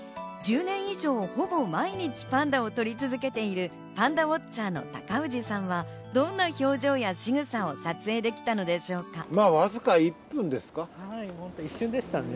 １０年以上、ほぼ毎日パンダを撮り続けているパンダウオッチャーの高氏さんはどんな表情やしぐさを撮影できたのでしょうか。